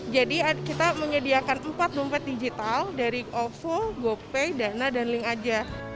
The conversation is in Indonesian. jadi kita menyediakan empat dompet digital dari ovo gopay dana dan ling aja